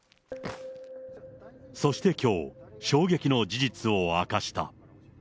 そしてきょう、衝撃の事実を明かした。